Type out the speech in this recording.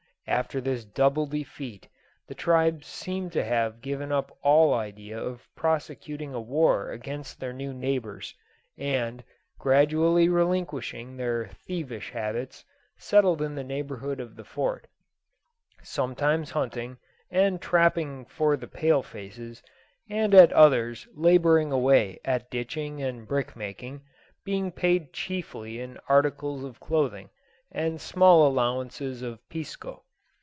After this double defeat, the tribes seem to have given up all idea of prosecuting a war against their new neighbours, and, gradually relinquishing their thievish habits, settled in the neighbourhood of the Fort sometimes hunting and trapping for the pale faces, and at others labouring away at ditching and brick making, being paid chiefly in articles of clothing and small allowances of pisco.